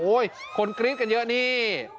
โอ๊ยคนกริ๊ดกันเยอะนี่